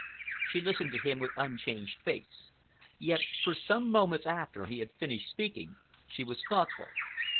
She listened to him with unchanged face. Yet for some moments after he had finished speaking she was thoughtful.